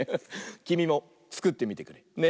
きみもつくってみてくれ。ね！